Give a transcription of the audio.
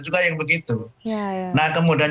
juga yang begitu nah kemudian